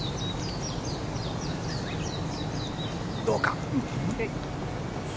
どうか。